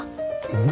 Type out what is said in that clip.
うん？